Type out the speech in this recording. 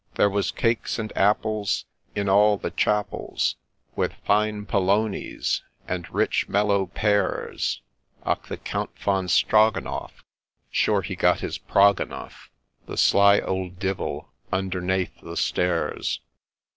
There was cakes and apples in all the Chapels, With fine polonies, and rich mellow pears, — Och ! the Count Von Strogonoff, sure he got prog enough, The sly ould Divil, undernathe the stairs.